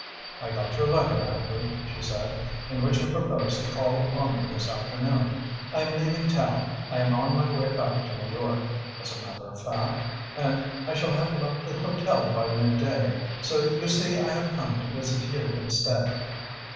"I got your letter, Andrew," she said, "in which you proposed to call upon me this afternoon. I am leaving town. I am on my way back to New York, as a matter of fact, and I shall have left the hotel by midday, so you see I have come to visit you instead."